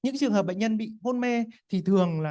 bệnh nhân bị hôn mê thì thường là